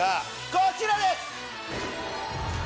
こちらです！